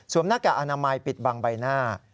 หน้ากากอนามัยปิดบังใบหน้า